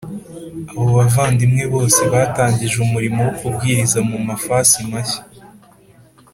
Abo bavandimwe bose batangije umurimo wo kubwiriza mu mafasi mashya